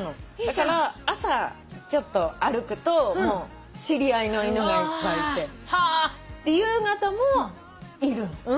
だから朝ちょっと歩くと知り合いの犬がいっぱいいて夕方もいるの。